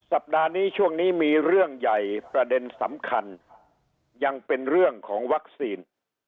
สัปดาห์นี้ช่วงนี้มีเรื่องใหญ่ประเด็นสำคัญยังเป็นเรื่องของวัคซีน